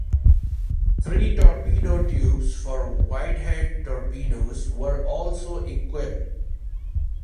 Three torpedo tubes for Whitehead torpedoes were also equipped.